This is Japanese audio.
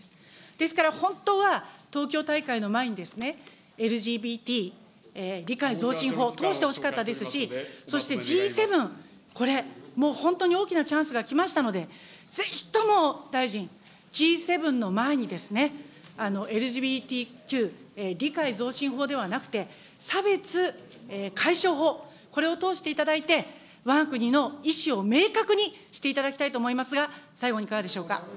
ですから本当は、東京大会の前に、ＬＧＢＴ理解増進法を通してほしかったですし、そしてＧ７、これ、もう本当に大きなチャンスが来ましたので、ぜひとも大臣、Ｇ７の前に、ＬＧＢＴＱ理解増進法ではなくて、差別解消法、これを通していただいて、わが国の意思を明確にしていただきたいと思いますが、最後にいかがでしょうか。